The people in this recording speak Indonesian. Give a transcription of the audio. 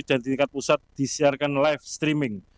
dan di tingkat pusat disiarkan live streaming